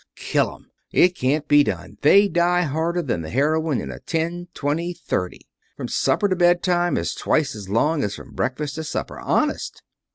Kill 'em! It can't be done. They die harder than the heroine in a ten, twenty, thirty. From supper to bedtime is twice as long as from breakfast to supper. Honest!"